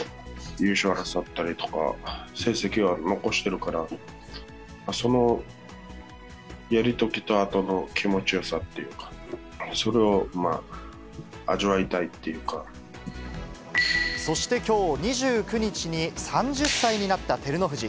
優勝を争ったりとか、成績を残してるから、そのやり遂げたあとの気持ちよさっていうか、そしてきょう２９日に、３０歳になった照ノ富士。